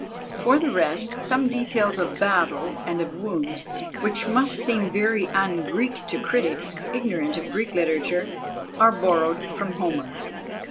For the rest, some details of battle, and of wounds, which must seem very "un Greek" to critics ignorant of Greek literature, are borrowed from Homer.